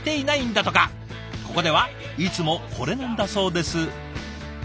ここではいつもこれなんだそうです。